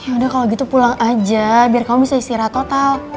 yaudah kalau gitu pulang aja biar kamu bisa istirahat total